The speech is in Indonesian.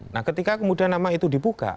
nah ketika kemudian nama itu dibuka